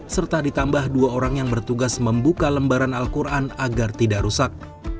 serta ditambah dua orang yang bertugas membuka lembaran al quran agar tidak rusak